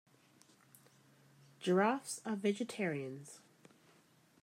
Giraffes are vegetarians.